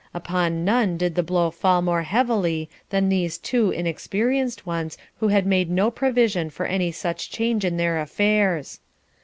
Upon none did the blow fall more heavily than these two inexperienced ones who had made no provision for any such change in their affairs.